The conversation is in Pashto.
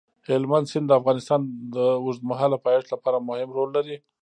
هلمند سیند د افغانستان د اوږدمهاله پایښت لپاره مهم رول لري.